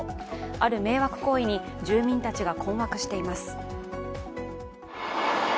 ある迷惑行為に住民たちが困惑しています。